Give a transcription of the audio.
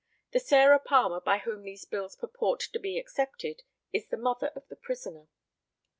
The Sarah Palmer by whom these bills purport to be accepted is the mother of the prisoner.